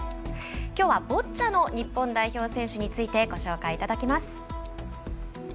きょうはボッチャの日本代表選手についてご紹介いただきます。